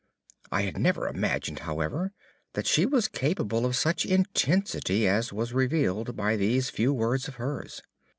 I had never imagined, however, that she was capable of such intensity as was revealed by these few words of hers.